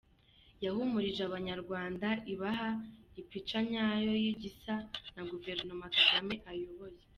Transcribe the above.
Yahumurije abanyarwanda ibaha ipica nyayo y’igisa na guverinoma Kagame ayoboye.